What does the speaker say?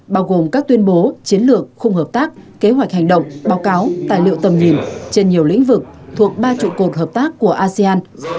bao gồm các tuyên bố chiến lược khung hợp tác kế hoạch hành động báo cáo tài liệu tầm nhìn trên nhiều lĩnh vực thuộc ba trụ cột hợp tác của asean